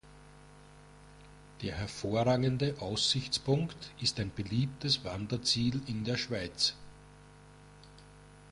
Der hervorragende Aussichtspunkt ist ein beliebtes Wanderziel in der Schweiz.